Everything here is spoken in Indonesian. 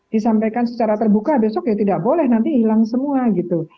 disampaikan secara terbuka besok ya tidak boleh nanti hilang semua gitu